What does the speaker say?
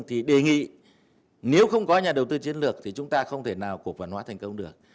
thì đề nghị nếu không có nhà đầu tư chiến lược thì chúng ta không thể nào cổ phần hóa thành công được